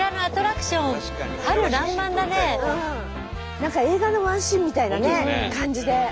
何か映画のワンシーンみたいな感じで。